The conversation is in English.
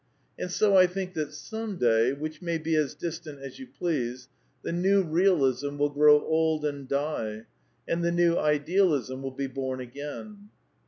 And so I think that some day (which may be as distant as you please) the New Eealism will grow old and die, and the New Idealism will be bom again.